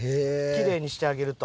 キレイにしてあげると。